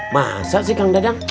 masa sih kang dadang